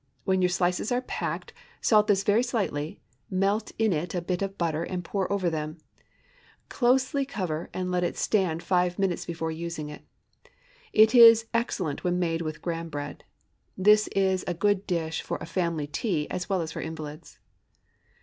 When your slices are packed, salt this very slightly; melt in it a bit of butter and pour over them. Cover closely and let it stand five minutes before using it. It is excellent when made of Graham bread. This is a good dish for a family tea as well as for invalids.